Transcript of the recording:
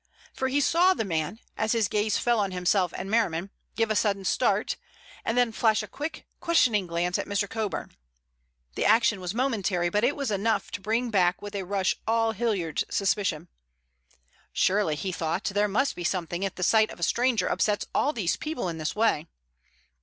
For he saw the man, as his gaze fell on himself and Merriman, give a sudden start, and then flash a quick, questioning glance at Mr. Coburn. The action was momentary, but it was enough to bring back with a rush all Hilliard's suspicions. Surely, he thought, there must be something if the sight of a stranger upsets all these people in this way.